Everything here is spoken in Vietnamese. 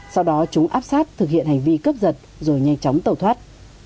sau đó chúng áp sát thực hiện hành vi cướp giật rồi nhanh chóng tẩu thoát